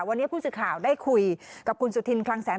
วันนี้ผู้สื่อข่าวได้คุยกับคุณสุธินคลังแสน